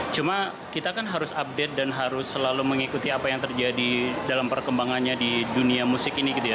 cuma kita kan harus update dan harus selalu mengikuti apa yang terjadi dalam perkembangannya di dunia musik ini gitu ya